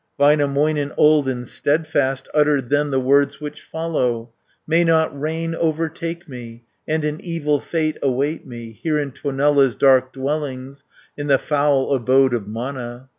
Väinämöinen, old and steadfast, Uttered then the words which follow: "May not rain overtake me, And an evil fate await me. Here in Tuonela's dark dwellings, In the foul abode of Mana?"